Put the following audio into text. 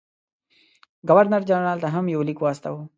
ګورنر جنرال ته هم یو لیک واستاوه.